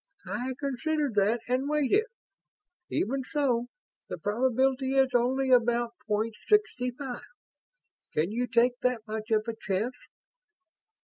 "I considered that and weighted it. Even so, the probability is only about point sixty five. Can you take that much of a chance?"